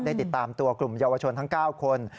ติดตามตัวกลุ่มเยาวชนทั้ง๙คน